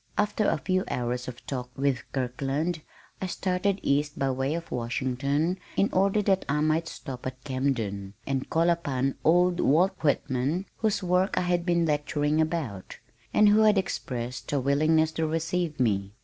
After a few hours of talk with Kirkland I started east by way of Washington in order that I might stop at Camden and call upon old Walt Whitman whose work I had been lecturing about, and who had expressed a willingness to receive me.